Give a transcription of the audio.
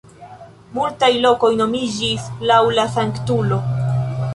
Multaj lokoj nomiĝis laŭ la sanktulo.